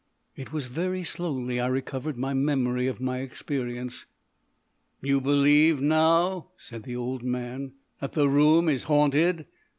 It was very slowly I recovered my memory of my experience. "You believe now," said the old man, "that the room is haunted?"